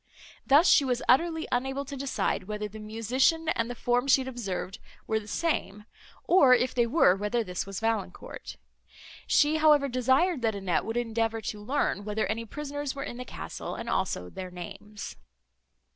Thus she was utterly unable to decide, whether the musician and the form she had observed, were the same, or, if they were, whether this was Valancourt. She, however, desired that Annette would endeavour to learn whether any prisoners were in the castle, and also their names.